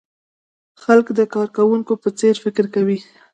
خلک د کارکوونکو په څېر فکر کوي.